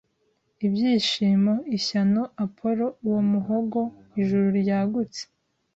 Ibyishimo ishyano apollo uwo muhogo ijuru ryagutse